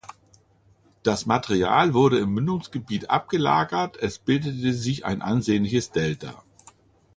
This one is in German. Das Material wurde im Mündungsgebiet abgelagert, es bildete sich ein ansehnliches Delta.